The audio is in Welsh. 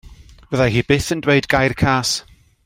Fyddai hi byth yn dweud gair cas.